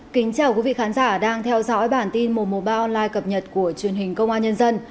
xin chào quý vị khán giả đang theo dõi bản tin mùa mùa ba online cập nhật của truyền hình công an nhân dân